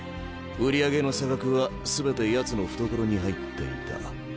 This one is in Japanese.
売り上げの差額は全てヤツの懐に入っていた。